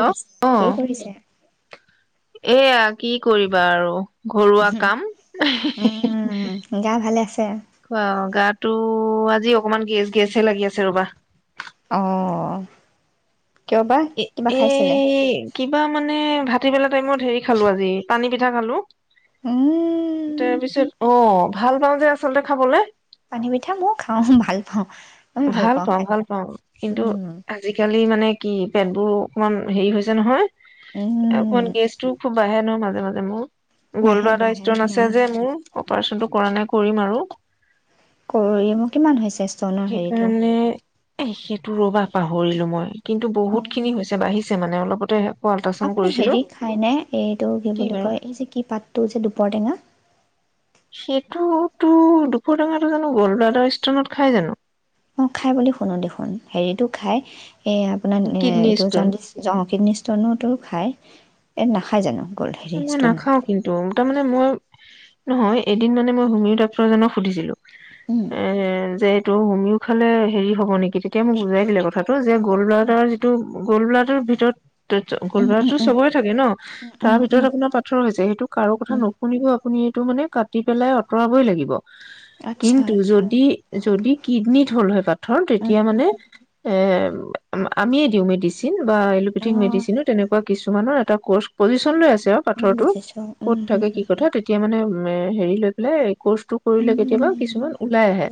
Hello কি অ', কৰিছে এয়া কি কৰিবা আৰু ঘৰুৱা কাম উম, গা ভালে আছে? খোৱা গাত ত' আজি অকনমান গেছ গেছহে লাগি আছে ৰবা অঁ। এ এই কিবা মানে ভাতিবেলাত টাপইমত হেৰি খালো আজি পানী পিঠা খালো। উম, তাৰপিছত অ। ভাল পাওঁ যে আচলতে খাবলৈ। পানী পিঠা মই খাওঁ ভাল পাওঁ। ভাল পাওঁ ভাল পাওঁ কিন্তু উম, আজিকালি মানে কি পেটবোৰ অকমান হেৰি হৈছে নহয় এতিয়া উম, গেছটো খুব বাহে নহয় - - মাজে মাজে ম। গ'ল্ড বাঢ়ে ব্ৰডাৰ বাঢ়ে ষ্টন আছে অ'। যে মোৰ। অপাৰচনটো কৰা নাই কৰিম আৰু। কৰি মোৰ কিমান হৈছে? ষ্টনৰ হেৰিটো? সেইকাৰণে এ সেইটো ৰ'বা পাহৰিলো মই কিন্তু বহুত খিনি হৈছে বাঢ়িছে মানে অলপ তে [unintelligible] আপুনি হেৰি খাইনে এইটো কি বুলি কয় এই যে কি পাতটো যে দুপৰটেঙা। দুপৰটেঙাটো জানো গল ষ্টত খাই জানো? অ খাই বুলি শুনো দেখোন হেৰিতটো খাই। এই আপোনাৰ এ কিডনী এইটো ষ্টন জণ্ডিচ [unintelligible] খায়। এই নাখায় জানো গ'ল হেৰি মই ষ্টনত? নাখাও কিন্তু তাৰ মানে মই নহয় এদিন মানে মই হুমীয় টাইপৰ যেনে সুধিছিলো উম, এ যে ত' হুমিও খালে হেৰি হ'ব নেকি কি তেতিয়া মোক বুজাই দিলে কথাটো যে গ'ল ব্লডৰ যিটো গোল বলাটোৰ ভিতৰত ত উম, উম, গলবাৰো উম। চবৰে থাকে ন উম, তাৰ ভিতৰত উম, আপোনাৰ পাথৰ হৈছে সেইটো কাৰো কথা উম, নুশুনও আপুনি এইটো মানে তি পেলাই আঁতৰাবই লাগিব আচ্ছা, কিন্তু আচ্ছা, যদি যদি কিডনিত হ'ল হয় পাথৰ উম, তেতিয়া মানে এ আমিয়ে দিওঁ মেডিচিন বা এল'পেথিক অ'। মেডিচিনো তেনেকুৱা কিছুমানৰ এটা কৰ্চ পজিশন লৈ আছে তেওঁ উম, পাথৰটো বুজিছো, উম, ক'ত হুম, থাকে কি হুম, কথা তেতিয়া মানে তমে হেৰি লৈ পেলাই কৰ্চটো কৰিলে কেতিয়াবা কিছুমান ওলাই আহে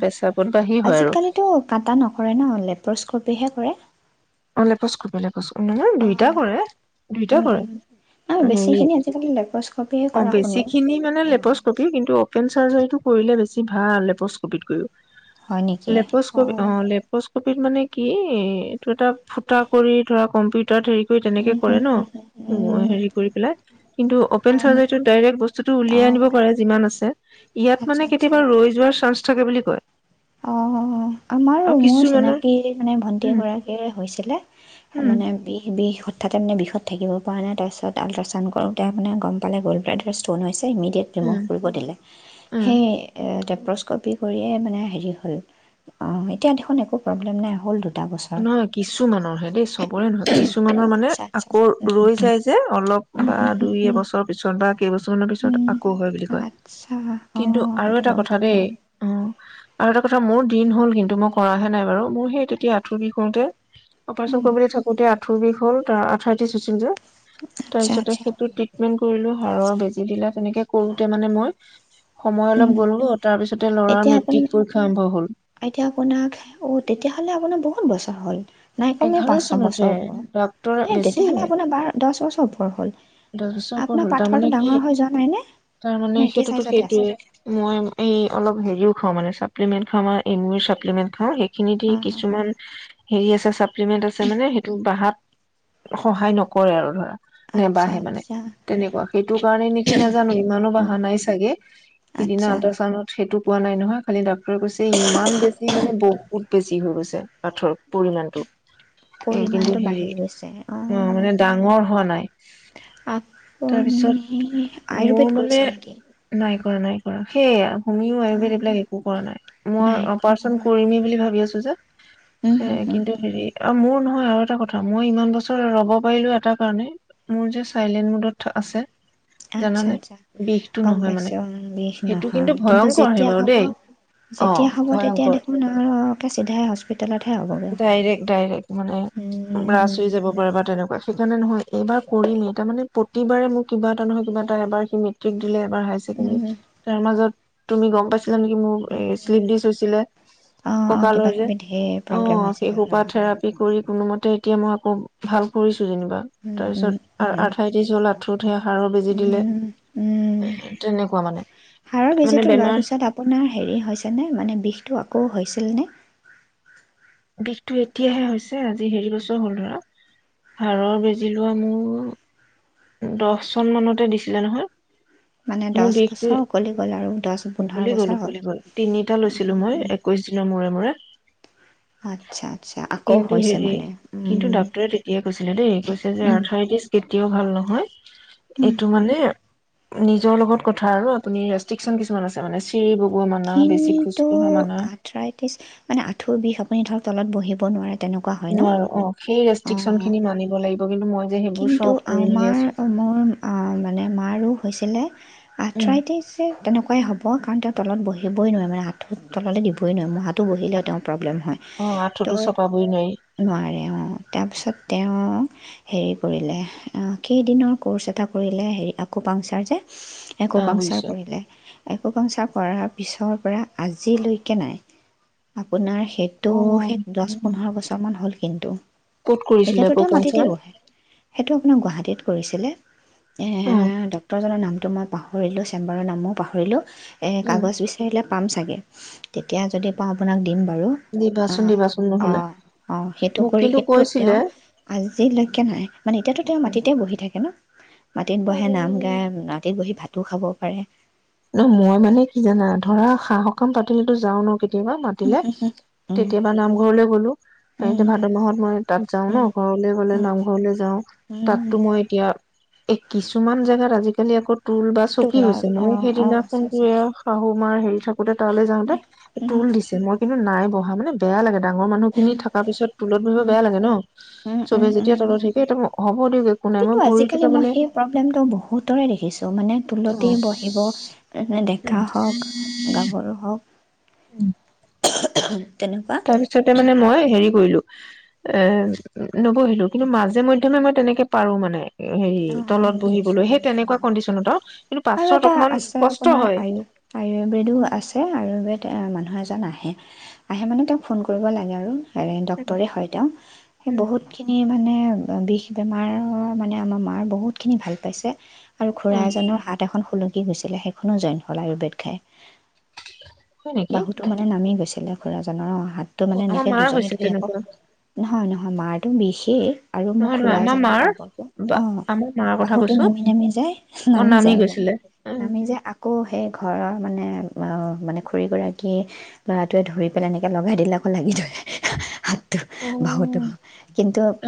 পেচাপত বাহি হয় আৰু আজিকালিতো কাটা নকৰে ন লেপ্ৰস্কপেহে কৰে স [unintelligible] নহয় অ', দুইটা কৰে দুইটা উম, কৰে উম, আৰু হেৰি বেছিখিনি আজিকালি লেপ্ৰস্কপিয়ে অঁ কৰা শুনো। বেছিখিনি মানে লেপস্কপি কিন্তু অপেন চাৰ্জাৰীটো কৰিলে বেছি ভাল লেপষ্টকপিট কৈও হয় নেকি? লেপচ কবি অ লেপচ কবি মানে কি এইটো এটা ফুটা কৰি ধৰা কম্পিউটাৰ হেৰি কৰি তেনেকে উম, কৰে হুম, ন হুম, হুম, উম, হেৰি কৰি পেলাই কিন্তু অপেন হয়, অ'। চাৰ্জাৰীটো ডাইৰেক্ট বস্তুটো উলিয়াই আনিব পাৰে যিমান আছে ইয়াত আচ্ছা, মানে আচ্ছা, কেতিয়াবা ৰৈ যোৱা চাঞ্চ থাকে বুলি কয় অ আমাৰো আৰু মোৰ কিছুমানৰ চিনাকি মানে ভন্টি উম এগৰাকীৰ হৈছে উম মানে বি বি তাতে মান বিষত থাকিব পৰা নাই তাৰপছত আল্ট্ৰাউড কৰোতে মানে গম পে গ'ল্ড ব্লড ষ্ট'ন হৈছে ইমিডীয়েট তেওঁ উম কৰিব দিলে উম সেয়ে পস্কপি কৰিয়ে মানে হেৰি অ এতিয়া দেখোন একো প্ৰব্লেম নাই হ'ল দু নহয় কিছুমানৰ হে দেই চবৰে নহয় কিছুমানৰ মানে আচ্ছা আচ্ছা আকৌ ৰৈ উম, যায় যে অলপ উম, বা উম, উম, দুই উম, এবছৰ পিছত বা কেইবছৰমান পিছত উম। আকৌ হয় বুলি কয়, আচ্ছা কিন্তু অ', আৰু সেইটো এটা গম কথা দেই নাপাওঁ উম আৰু এটা কথা মোৰ দিন হ'ল কিন্তু মই কৰাহে নাই বাৰু মোৰ সেই তেতিয়া আঠুৰ বিষ হওঁতে অপাৰচন কৰিব বুলি থাকোতে আঠুৰ বিষ হল, তাৰ আঠাৰত্ৰিছ হৈছিল আচ্ছা তাৰপিছতে আচ্ছা সেইটো ট্ৰিটমেন্ট কৰিলো, খৰৰ বেজি দিলে তেনেকে কৰোতে মানে মই সময় অলপ উম, গ'লো, তাৰ পিছতে ল'ৰাৰ এতিয়া আপোন মেট্ৰিক পৰীক্ষা আৰম্ভ হ'ল এতিয়া আপোনাক অ তেতিয়াহ'লে আপোনাৰ বহুত বছৰ হ'ল নাই কমেও এঘাৰ পাঁচ ছয় বছৰ চনতে, ওপৰত ডাক্তৰ এই বেছি তেতিয়াহ'লে আপোনাৰ বাৰ দহ বছৰ ওপৰ হ'ল দহ বছৰ উপৰ আপোনাৰ হ'ল, তাৰ পাথৰটো মানে কি ডাঙৰ হৈ যোৱা নাইনে নে তাৰ নে মানে একে সেইটোতো চাইজতে আছে সেইটোয়ে, মই এই অলপ হেৰিও খাওঁ মানে চ চাপ্লিমেট খাও মই এমিউ চাপ্লিমেট খাও সে খিনি দি অ' হ কিছুমান হেৰি আছে চ লিমিট আছে মানে সেইটো বাহাত সহায় নকৰে আৰু ধৰা আচ্ছা নেবাঢ়ে মানে আচ্ছা তেনেকুৱা, সেইটো কাৰণে নেকি নাজানো ইমানো উম বঢ়া নাই চাগে সিদিনা আচ্ছা আল্ট্ৰাচাউডত সেইটো পোৱা নাই নহয় খালি ডা হৈ গৈছে, ইমান বেছি মানে বহুত বেছি হৈ গৈছে। [unintelligible] আঠৰ পৰিমাণটো এ কিন্তু পৰিমাণতটো বাঢ়ি গৈছে আহ ঢ় হোৱা নাই আপনি তাৰপিছত মোৰ আয়ুৰ্বেদ কৰিছে নেকি? সেইয়া হুমিও, আয়ুৰ্বেদ অ' এইবিলাক একো কৰা, নাই মই অপাৰচন কৰিমেই বুলি ভাবি আছো যে, উম হুম এ হুম কিন্তু হেৰি মোৰ নহয় আৰু এটা কথা মই ইমান বছৰ ৰ'ব পাৰিলো, এটা কাৰণেই মোৰ যে চাইলেন্ট মুডত আছে আচ্ছা, জানানে আচ্ছা বিষটো গম নহয় মানে পাইছো। বিষ সেইটো নহয়, কিন্তু ভয়ংকৰহে যেতিয়া বাৰু হ'ব, দেই অ যেতিয়া হ'ব তেতিয়া ভয়ংকৰ দেখোন আাৰকে চিধাই হস্পিতেলতহে হ'বগে। ডাইৰেক্ট ডাইৰেক্ট মানে ব্ৰাচ হৈ যাব পাৰে বা তেনেকুৱা খ মানে নহয় এইবাৰ কৰিমেই, তাৰ মানে প্ৰতিবাৰে মোক কিবা এটা নহয় কিবা এটা এবাৰ সি মেট্ৰিক দিলে এইবাৰ উম, হাই-ছেকেণ্ডাৰী তাৰ মাজত তুমি গম পাইছা? নেকি মোৰ শ্লিপ ডিচ হৈছিলে, অ', অ', ককালৰ কিবা যে কিবি ঢেৰ অ প্ৰব্লেম সেই হৈছিলে হয়, হয়। থেৰাপি কৰি কোনোমতে তে এতিয়া মই আকৌ ভাল কৰিছো। যেনিবা উম, তাৰপিছত উম, উম, আঠাইছ ত্ৰিচ মান আঁঠুঠে হাড়ৰ বেজি দিলে উম, উম। তেনেকুৱা মানে হাড়ৰ মানে বেজীটো লোৱাৰ বেমাৰ পিছত আপোনাৰ হেৰি হৈছেনে মানে বিষটো আকৌ হৈছিলনে? বিষটো এতিয়াহে হৈছে আজি হেৰি বছৰ হ'ল ধৰা হাড়ৰ বেজি লোৱা মোৰ দছজন মানতে দিছিলে নহয় মানে দছ বছৰ উকলি গ'ল আৰু দহ পোন্ধৰ উকলি গল বছৰ হ'ল। উকলি গল তিনিটা লৈছিলো মই একৈচ দিনৰ মূৰে মূৰে আচ্ছা, আচ্ছা আকৌ কিন্তু হৈছে হেৰি, মানে কিন্তু উম, ডাক্তৰে তেতিয়াই কৈছিলে দেই কৈছে যে উম। অৰ্থৰিটিচ তেওঁ ভাল নহয় এইটো মানে নিজৰ লগত কথা আৰু আপুনি ৰেষ্ট্ৰিকন আছে মানে বগোৱা মানা বেছি খোজ কিন্তু কঢ়া মানা আঠৰা ত্ৰিশ মানে আঠৈ বিষ আপুনি ধৰক তলত বহি আহিব নোৱাৰে তেনেকুৱা হয় ন? নোৱাৰো অ সেই ৰেষ্ট্ৰিকচন অঁ খিনি মানিব লাগিব কিন্তু মই যে সেইবোৰ কিন্তু চব কৰি মেলি আমাৰ আছো মোৰ মানে মাৰো হৈছিল এনে উম আঠৰাইতে যে তেনেকুৱাই হ'ব কাৰণ তলত বহি উঠিবই নোৱাৰে মানে আঁঠুত, তললে দিবই নোৱাৰে, মোহাটে বহি লয় তেওঁ প্ৰব্লেম হয়, অ ত আঁঠুতো চপাবই নোৱাৰি নোৱাৰে অঁ তাৰপিছত তেওঁ হেৰি কৰিলে, আঁ কেইদিনৰ ক'ৰ্ছ এটা কৰিলে হেৰি আকৌ পাংচাৰ যে অ একোপাংচাৰ বুজিছো কৰিলে একো পাংচা কৰাত পিছৰ পৰা আজিলৈকে নাই আপোনাৰ সেইটো অ সেই দহ পোন্ধৰ বছৰমান হ'ল কিন্তু ক'ত কৰিছিলে এতিয়াতো মাটিতেই প্ৰপঞ্চাৰ বহে সেইটো তেওঁ গুৱাহাটীত কৰিছিলে এ অ ডক্তৰজনৰ নাম ত মই পাহৰিলোঁ চেম্বাৰৰ নামো পাহৰিলোঁ এ উম কাগজ বি পাম চাগে, তেতিয়া যদি পাও আপোনাক দিম বাৰু অ দিবাচোন দিবাচোন অ নহলে অ সেইটো মোক কৰি কিন্তু সেইটো তেওঁ কৈছিলে আজিলৈকে নাই মানে এতিয়াতো তেওঁ মাটিতে বহি থাকে ন মাটিত বহে নাম গায় মাটিত বহি ভাত টো খাব পাৰে ন মই মানে কি জানা, ধৰা সা সকাম পাতিলে তো যাও ন তিবা মাতিলে, কেতিয়াবা নামঘৰলৈ গলো, এনেতো ভাদ মাহত মই তাত যাও ন, ঘৰলে গ'লে নামঘৰলৈ যাও তাততো মই এতিয়া এ কিছুমান জেগাত আজিকালি আকৌ তুল বা তোক চকী অঁ হৈছে মানে দিনা অঁ [unintelligible] আছে আছে [unintelligible] [unintelligible] তালৈ যাওঁতে, টোল দিছে মই কিন্তু নাই বহা মানে বেয়া লাগে। ডাঙৰ মানুহ খিনি থকা পিছত টোলত বহিব বেয়া লাগে ন, চবে যেতিয়া তলত থাকে। হ'ব দিয়ক এক কিন্তু আজিকালি মই সেই প্ৰব্লেমটো বহুতৰে দেখিছো, মানে অ টোলতেই বহিব। দেকা হওক, গাভৰু হওক। [unintelligible] [unintelligible] তাৰ পিছতে মানে মই হেৰি কৰিলো। এম নবহিলো কিন্তু মাজে ম তুমি মই তেনেকে পাৰো মানে। হেৰি অ-অ, তলত বহিবলৈ সেই বুজিছো-বুজিছো তেনেকুৱা অ, কণ্ডিচনত আৰু কিন্তু আৰু পাছত এটা অকমান আছে কষ্ট আপোনাৰ হয়। আয়ু আয়ুৰ্বেদো আছে আৰু [unintelligible] হ এজন আহে, আহে মানে তেওঁক ফোন কৰিব লাগে আৰু। এ ডক্তৰে হয় তেওঁ, হে বহুতখিনি মানে ব বিষ বেমাৰৰ, মানে আমাৰ মা আ বহুতখিনি ভাল পাইছে। আৰু অ খুৰা এজনৰ হাত এখন খুলকি গৈছিলে, সেইখনো জইন হল আয়ুৰ্বেদ খাই। হয় নেকি বাহুতো মানে নামি গৈছিলে। খুৰাজনৰ, অ। হাতটো মানে আমাৰ এনেকে মাৰ দুজনে হৈছে ধৰি আকৌ, তেনেকুৱা নহয় নহ আ মাৰটো বিষেই আৰু মোক নহয় খুৰা নহয় আমাৰ এজনে মাৰ সম্পৰ্কিয়, বা অ আমাৰ মাৰ কথা বাহুতো কৈছো নামি-নামি যায়, অ নামি যায় মানে। গৈছিলে নামি যায় আকৌ সেই ঘৰৰ মানে অ, মানে খুৰী গৰাকী ল'ৰাটোৱে ধৰি পেলাই এনেকে লগাই দিলে আকৌ লাগি ধৰে। [unintelligible] [unintelligible] বাহুতো উম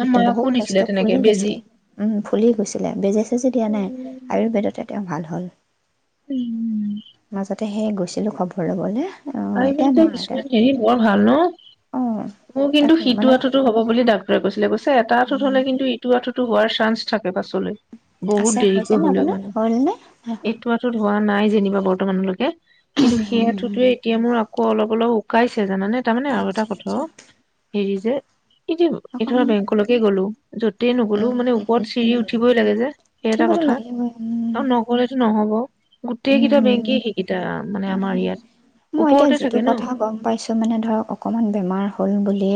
অ মাকো বহুত দিছিলে কষ্ট তেনেকে ফুলি বেজি গৈছিলে, উম ফুলি গৈছিলে, বেজে-চেজি দিয়া নাই, উম আয়ুৰ্বেদতে তেওঁ ভাল হ'ল। উম হে গৈছিলো খবৰ ঘূৰা বলে আহি পেলাই টো স্কুলত হেৰি বোৰ ভাল ন অঁ মোৰ কিন্তু তাকে মানে সিটোুৱঠতো হব বুলি ডাক্তৰে কৈছিলে কৈছে এটা আঁঠোত হ'লে কিন্তু ইটো আঁঠোত হোৱাৰ চান্স থাকে পাছলৈ বহুত আছে হৈছে দেৰিকৈ নে হলেও আপোনাৰ মানে, হ'ল নে নাই হোৱা এইটো আঁঠুত হোৱা নাই যেনিবা বৰ্তমানলৈকে কিন্তু সেই আঁঠুতোৱে মোৰ আকৌ অলপ অলপ শুকাইছে জানানে তাৰ মানে আৰু এটা আচ্ছা কথাও, আচ্ছা হেৰি যে কেতিয়া গলো এইটো অকমান বেংকলৈকে গলো যতেই নগলো উম মানে হম ওপৰত হম চিৰি হম উঠিবই লাগে যে সেই এটা উঠিবতো কথা লাগিবই উম আৰু নগলেতো নহব গোটেই কেইটা বেংকে উম সেইকেইটা মানে আমাৰ উম ইয়াত মই এতিয়া ওপৰতে যিটো থাকে ন কথা গম পাইছো মানে ধৰক অকনমান বেমাৰ হ'ল বুলিু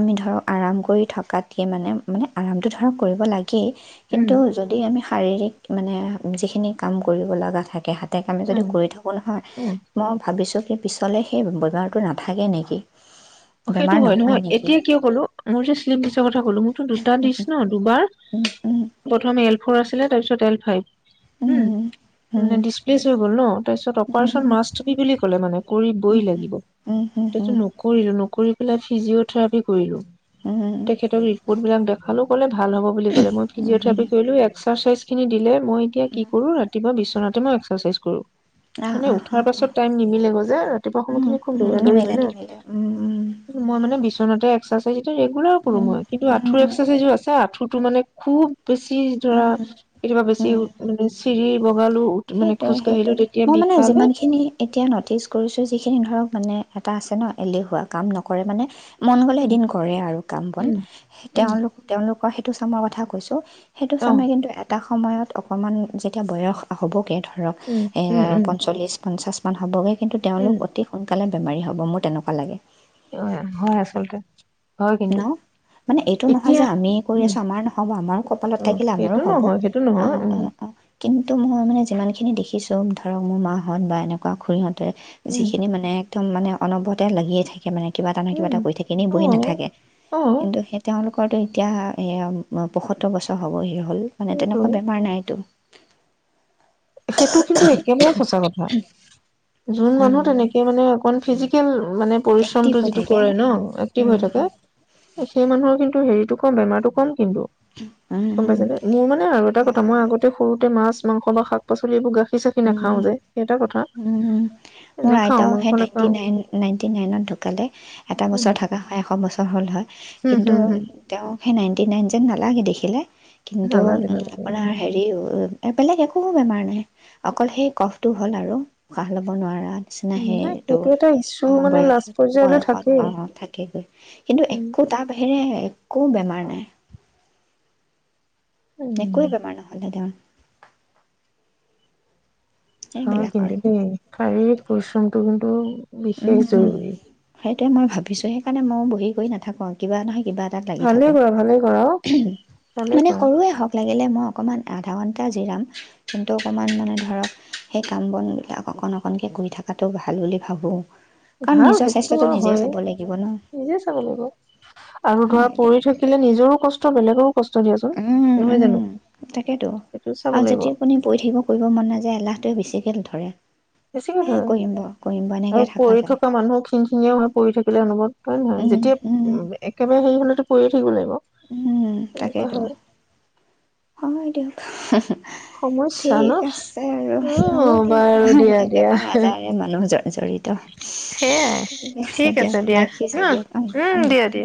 আমি ধৰক আৰাম কৰি থকাাতে মানে, মানে আৰামটো ধৰক কৰিব লাগে কি উম কিন্তু যদি আমি শাৰীৰিক মানে যিখিনি কাম কৰিবলগা থাকে দেহাত এটা কামে যদি উম কৰি থাকোঁ নহয় উম মই ভাবিছোঁ এ পিছলে সেই বজাৰটো নাথাকে নেকি? সেইটো বেমাৰ হয় নহয় নেকি এতিয়া কিয় কলো মোৰ যে শ্লিম ডিচৰ কথা কলো মোৰতো দুটা ডিচ ন দুবাৰ উম উম প্ৰথম এল ফৰ' আছিলে তাৰপিছত এল ফাইভ উম ডিচপ্লেচ হৈ গল ন তাৰপিছত অপাৰেচন মাষ্ট বুলি ক'লে মানে কৰিবই লাগিব তেটো নকৰিলো কৰি পেলাই ফিজিঅথৰাপি কৰিলো তেখেতক ৰিপৰ্ট বিলাক দেখ ভালো ক'লে ভাল হ'ব বুলি কলে মই ফিজিঅ'থেৰাপি কৰিলোঁ এক্সাৰচাইজ সিখিনি দিলে মই এতিয়া কি কৰো ৰাতিপুৱা বিচনাত তোমাৰ এক্সাৰচাইজ কৰো মানে উঠাৰ পাছত টাইম নিমিলেগৈ যে ৰাতিপুৱা উম, সময়খিনি খুব উম, দৌৰা দৌৰি হয় নিমিলে ন নিমিলে উম, উম, মই মানে বিচনাতে এক্সাৰচাইজ ৰেগুলাৰ কৰো উম, মই কিন্তু উম, আঠুৰ এক্সেৰচাইজো আছে আঁঠুত টো মানে খুব বেছি ধৰা, কেতিয়াবা বেছি মানে চিৰি বগালো মানে খোজ সেইটোয়ে কাঢ়িলো সেইটোয়ে। তেতিয়া মই মানে বিষালে যিমান খিনি যিখিনি ধৰক মানে, এটা আছে ন? এলেহুৱা। কাম নকৰে মানে মন গলে উম এদিন কৰে আৰু কাম বন উম সেই। উম তেওঁলোক তেওঁলোকৰ টো চামৰ কথা কৈছো সেইটো অ চামে কিন্তু এটা সময়ত অকনমান যেতিয়া বয়স হবগৈ ধৰক উম এ উম উম পঞ্চলিছ পঞ্চাশ ম হ'বগে কিন্তু উম তেওঁলোক অতি স সোনকালে বেমাৰী হ'ব মোৰ তেনেকুৱা লাগে [unintelligible] হয় আচলতে হয় ন? কিন্তু মানে এইটো নহয় এতিয়া যে আমি কৰি উম আছো আমাৰ নহ'ব আমাৰো কপালত উম থাকিলে আমাৰো সেইটো হ'ব। নহয় সেইটো অ নহয় উম অ অ কিন্তু মই মানে যিমান খিনি দেখি কিছো ধৰক, মোৰ মাহত বা এনেকুৱা খুৰিহত তাতে উম যিখিনি মানে একদম মানে, অনবৰতে লাগিয়ে থাকে সে মানে কিবা এটা নহয় কিবা উম কৰি থাকে, এনেই অ বহি নাথাকে। অ কিন্তু সেই তেওঁলোকে ৰতটো এতিয়া পয়সত্তৰ বছৰ হবহি হ'ল মানে সেইটো তেনেকুৱা বেমাৰ নাইটো সেইটো কিন্তু একেবাৰে সঁচা কথা। যোন মানুহ উম তেনেকে মানে ফিজিকেল মানে এক্টিভ পৰিশ্ৰমটো হৈ যিটো থাকে কৰে ন এক্টিভ হৈ থাকে সেই মানুহৰ কিন্তু হেৰিটো কম, বেমাৰতো কম কিন্তু, গম পাইছে নে? মোৰ মানে আৰু এটা কথা মই আগতে সৰুতে মাছ মাংস পচলিিবগা [unintelligible] উম উম মোৰ নেখাও আইতাও মাংস সেই নাইনটি নাখাও নাইন নাইনটি নাইনত ঢুকালে। এটা উম বছৰ থকা হয় এশ বছৰ হল হয়। হম কিন্তু হম হম তেওঁ সেই নাইণ্টি নাইন যেন নালাগে দেখিলে কিন্তু নালাগে নালাগে আপোনাৰ হেৰি হ'ল। বেলেগ একো বেমাৰ নাই। অকল সেই কফটো হ'ল আৰু। ওশাহ ল'ব নোৱাৰা। উম নিচিনাহে নাই এইটো সেইটো এটা ইছ্যু অ মানে বয়স, লাষ্ট পৰ্যায়লৈ বয়সত থাকেই অ থাকেগৈ। কিন্তু উম একো তাৰ বাহিৰে একো বেমাৰ নাই। একোৱে উম বেমাৰ নহ'লহেঁতেন। হয় সেইবিলাক কিন্ত আৰু শাৰীৰিক পৰিশ্ৰমটো কিন্তু উম বিশেষ উম জৰুৰী সেইটোয়ে মই ভাবিছোঁ। সেইকাৰণে মই ব হেৰি কৰি নাথাকু আৰু। কিবা নহয় কিবা এটাত লাগি ভালেই থাকো। কৰা ভালেই কৰা অ ভালেই মানে কৰা সৰুৱে হওঁক লাগিলে মই অকণমান আধা ঘণ্টা জিৰাম। কিন্তু অকণমান মানে ধৰক, সেই কাম বনবিলাক অকণ অকণকৈ কৰি থকাটো ভাল বুলি ভাবোঁ। কাৰণ ভাল নিজৰ সেইটোতো স্বাস্থ্যটো আৰু নিজে চাব হয়েই, লাগিব ন নিজে চাব লাগিব। আৰু ধৰা হয় দিয়ক পৰি থাকিলে নিজৰো কষ্ট বেলেগৰু উম উম তাকেতো, সেইটো চাব আৰু লাগিব যদি আপুনি পৰি থাকিব। কৰিব মন নাযায় এলাহ টোৱে বেছিকৈ [inaudible] বেছিকৈ এই ধৰে। কৰিম বাৰু কৰিম বাৰু এনেকৈ আৰু পৰি যায় থকা মানুহ খিঙং খিঙীয়াও হয় পৰি থাকিলে অনুৱত উম যেতিয়া উম একেবাৰে হেৰি হলেটো কৰিয়ো থাকিব লাগিব। উম তেনেকুৱা তাকেইতো। হয় হয়, দিয়ক সমস্যা ন ঠিক আছে আৰু হ'ব অ দিয়ক। বাৰু দিয়া আমাৰা দিয়া বেমাৰ আজাৰে মানুহ জন জৰি়ত, সেয়াই ঠিক আছে দিয়ক। ৰাখিছোঁ দিয়ক। অ, উম উম দিয়া দিয়া